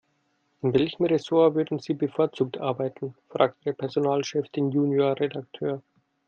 "In welchem Ressort würden Sie bevorzugt arbeiten?", fragte der Personalchef den Junior-Redakteur.